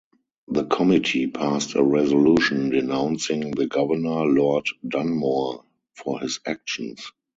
The committee passed a resolution denouncing the governor, Lord Dunmore, for his actions.